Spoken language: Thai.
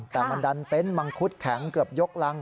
แต่มันดันเป็นมังคุดแข็งเกือบยกรัง